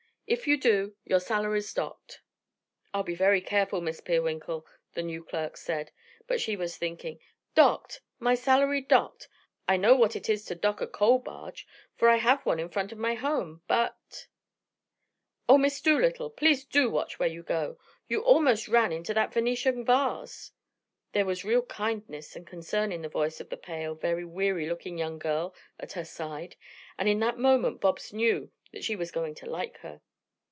If you do, your salary's docked." "I'll be very careful, Miss Peerwinkle," the new clerk said, but she was thinking, "Docked! My salary docked. I know what it is to dock a coal barge, for I have one in front of my home, but " "Oh, Miss Dolittle, please do watch where you go. You almost ran into that Venetian vase." There was real kindness and concern in the voice of the pale, very weary looking young girl at her side, and in that moment Bobs knew that she was going to like her.